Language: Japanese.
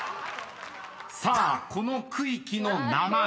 ［さあこの区域の名前］